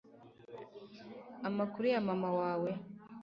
amakuru ya mama wawe